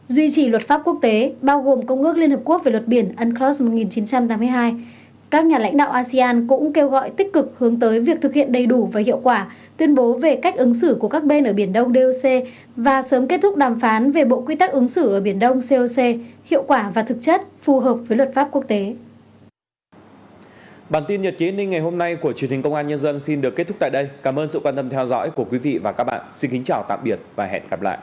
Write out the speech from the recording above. duy trì luật pháp quốc tế bao gồm công ước liên hợp quốc về luật biển unclos một nghìn chín trăm tám mươi hai các nhà lãnh đạo asean cũng kêu gọi tích cực hướng tới việc thực hiện đầy đủ và hiệu quả tuyên bố về cách ứng xử của các bên ở biển đông doc và sớm kết thúc đàm phán về bộ quy tắc ứng xử ở biển đông coc hiệu quả và thực chất phù hợp với luật pháp quốc tế